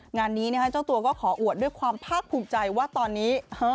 งานนี้เจ้าตัวก็ขออวดด้วยความภาคภูมิใจว่าตอนนี้